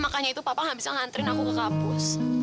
makanya itu papa habiskan nganterin aku ke kapus